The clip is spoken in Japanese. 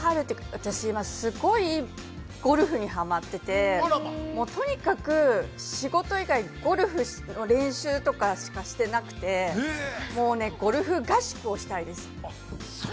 私、今、すごいゴルフにハマっていて、とにかく仕事以外、ゴルフの練習とかしかしていなくて、ゴルフ合宿をしたいです。